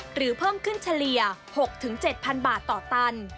หรือเพิ่มขึ้นเฉลี่ย๖๗๐๐๐บาท